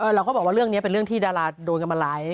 เราก็บอกว่าเรื่องนี้เป็นเรื่องที่ดาราโดนกันมาไลฟ์